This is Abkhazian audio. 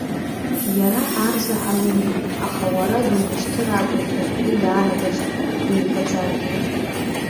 Иара арзаҳал иҩит, аха уара думышьҭыр акәын ҳәа игәы иаанагашт, имҳәаӡаргьы.